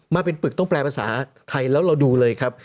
มาเป็นปึกต้องแปลภาษาไทยแล้วเราดูเลยครับ